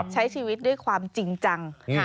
ใช้ชีวิตด้วยความจริงจัง